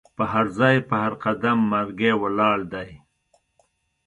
په هرځای په هر قدم مرګی ولاړ دی